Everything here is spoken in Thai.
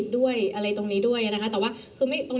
เธออยากให้ชี้แจ่งความจริง